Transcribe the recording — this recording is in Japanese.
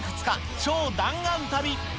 超弾丸旅。